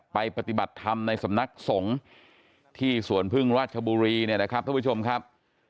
ปฏิบัติธรรมในสำนักสงฆ์ที่สวนพึ่งราชบุรีเนี่ยนะครับท่านผู้ชมครับ